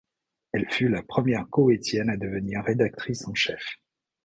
Elle fut la première koweïtienne à devenir rédactrice en chef.